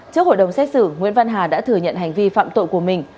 trước hội đồng xét xử nguyễn văn hà đã thừa nhận hành vi phạm tội của mình